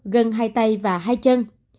gần hai tay và hai chân